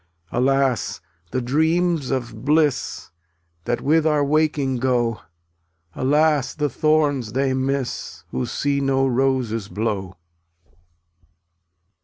Alas, the dreams of bliss That with our waking go! Alas, the thorns they miss Who see no roses blow!